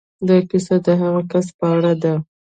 دا کيسه د هغه کس په اړه ده.